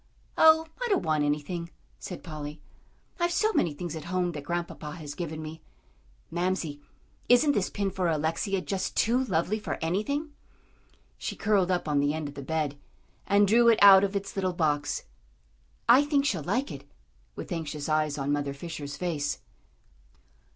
"Oh, I don't want anything," said Polly. "I've so many things at home that Grandpapa has given me. Mamsie, isn't this pin for Alexia just too lovely for anything?" She curled up on the end of the bed, and drew it out of its little box. "I think she'll like it," with anxious eyes on Mother Fisher's face.